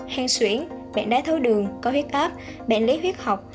hèn xuyển bệnh đáy thấu đường có huyết áp bệnh lý huyết học